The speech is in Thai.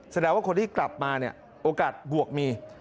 แสดงว่าคนที่กลับมาเนี่ยโอกาสบวกมี